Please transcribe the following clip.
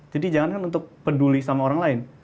jadi jangan kan untuk peduli sama orang lain